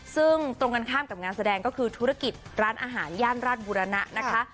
ซึ่งตรงกันข้ามกับงานแสดงก็คือธุรกิจร้านอาหารย่านราชบุรณะนะคะ